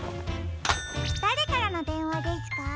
だれからのでんわですか？